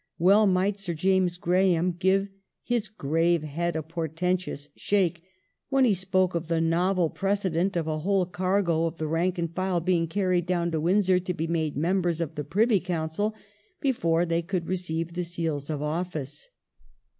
Well might Sir James Graham "give his grave head a portentous shake when he spoke of the novel pi'ecedent of a whole cargo of the rank and file being carried down to Windsor to be made members of the Privy Council, before they could receive the seals of office